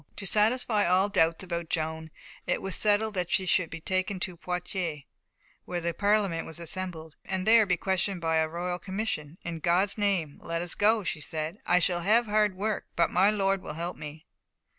To satisfy all doubts about Joan, it was settled that she should be taken to Poitiers, where the Parliament was assembled, and be there questioned by a royal commission. "In God's name, let us go," she said; "I shall have hard work, but my Lord will help me."